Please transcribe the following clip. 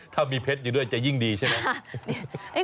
ถ้ามีเพชรอยู่ด้วยจะยิ่งดีใช่ไหม